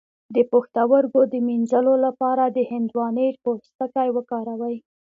د پښتورګو د مینځلو لپاره د هندواڼې پوستکی وکاروئ